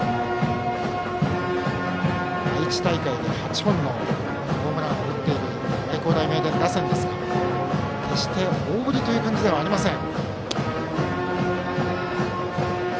愛知大会で８本のホームランを打っている愛工大名電打線ですが決して大振りという感じではありません。